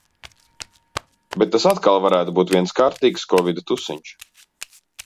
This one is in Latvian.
Bet tas atkal varētu būt viens kārtīgs kovida tusiņš.